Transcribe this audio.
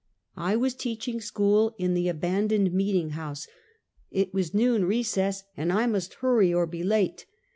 I was teaching school in the abandoned meeting house. It was noon recess and I must hurry or be late.